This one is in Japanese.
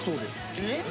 えっ？